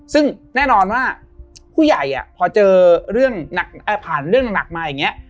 ซึ่งแน่นอนว่าผู้ใหญ่พอเจอเรื่องผ่านเรื่องหนักมาอย่างนี้